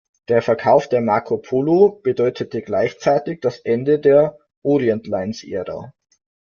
Der Verkauf der "Marco Polo" bedeutete gleichzeitig das Ende der „Orient-Lines“-Ära.